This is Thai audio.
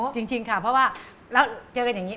จริงค่ะเพราะว่าแล้วเจอกันอย่างนี้